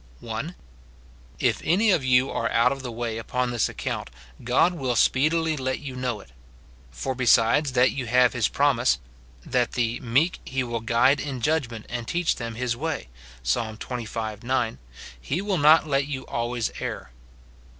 (1.) If any of you are out of the way upon this account, God will speedily let you know it ; for besides that you have his promise, that the " meek he will guide in judgment and teach them his way," Psa. xxv. 9, he will not let you always err.